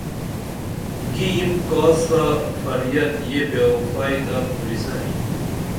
گی یم کاس سا فریت یہ بے وفائی تہ پُریسنی